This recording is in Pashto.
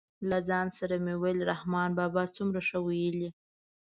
له ځان سره مې ویل رحمان بابا څومره ښه ویلي.